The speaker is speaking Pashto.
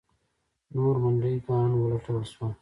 نور منډیي ګان ولټول شول.